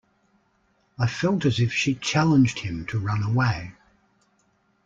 I felt as if she challenged him to run away.